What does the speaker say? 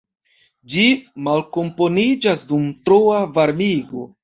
Ĝi malkomponiĝas dum troa varmigo.